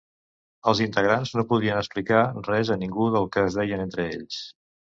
Els integrants no podien explicar res a ningú del que es deien entre ells.